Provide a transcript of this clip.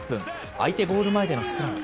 相手ゴール前でのスクラム。